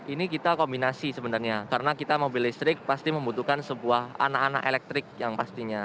ini kita kombinasi sebenarnya karena kita mobil listrik pasti membutuhkan sebuah anak anak elektrik yang pastinya